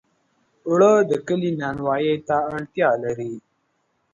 اوړه د کلي نانوایۍ ته اړتیا لري